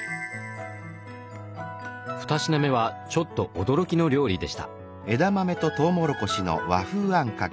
２品目はちょっと驚きの料理でした。